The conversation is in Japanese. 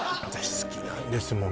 私好きなんです